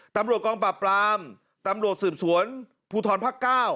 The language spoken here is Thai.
ตำรวจกองปราบปรามตำรวจสืบสวนภูทรภาค๙